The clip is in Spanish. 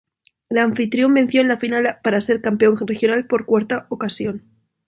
El anfitrión venció en la final a para ser campeón regional por cuarta ocasión.